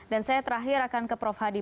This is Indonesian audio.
dan saya terakhir akan ke prof hadi